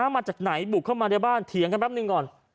มาจากไหนบุกเข้ามาในบ้านเถียงกันแป๊บหนึ่งก่อน